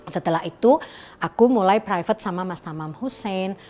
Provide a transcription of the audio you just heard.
setelah itu aku mulai private sama mas tamam hussein